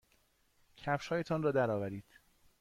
کفشهایتان را درآورید.